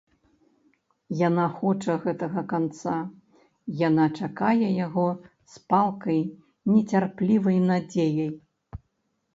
Яна хоча гэтага канца, яна чакае яго з палкай нецярплівай надзеяй.